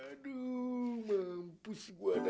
aduh mampus gue dah